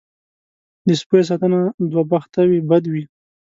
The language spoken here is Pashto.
دې سپیو ساتنه دوه بخته وي بد وي.